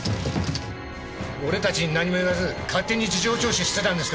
俺たちになんにも言わず勝手に事情聴取してたんですか！